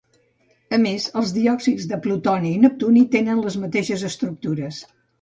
A més els diòxids de plutoni i neptuni tenen les mateixes estructures.